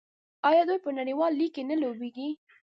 آیا دوی په نړیوال لیګ کې نه لوبېږي؟